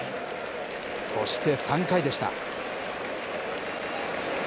そして３回でした。